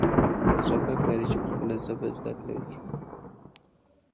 هر څوک حق لري چې په خپله ژبه زده کړه وکړي.